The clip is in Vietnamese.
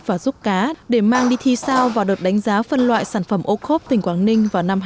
và ruốc cá để mang đi thi sao vào đợt đánh giá phân loại sản phẩm ô khốp tỉnh quảng ninh vào năm hai nghìn hai mươi